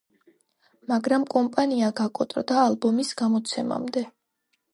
მაგრამ კომპანია გაკოტრდა ალბომის გამოცემამდე.